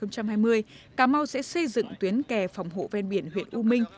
cà mau sẽ xây dựng tuyến kè phòng hộ ven biển huyện u minh